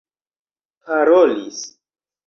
parolis